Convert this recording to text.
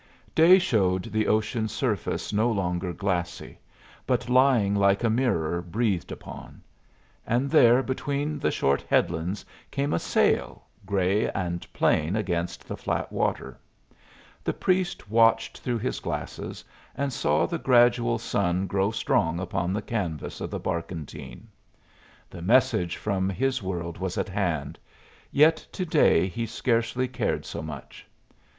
Day showed the ocean's surface no longer glassy, but lying like a mirror breathed upon; and there between the short headlands came a sail, gray and plain against the flat water. The priest watched through his glasses, and saw the gradual sun grow strong upon the canvas of the barkentine. The message from his world was at hand, yet to day he scarcely cared so much.